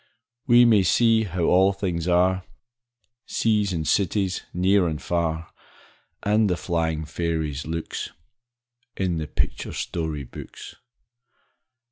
We may see how all things are, Seas and cities, near and far, And the flying fairies' looks, In the picture story books.